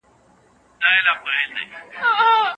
د توریستي ځایونو ساتنه د هر افغان ملي او کلتوري مسوولیت دی.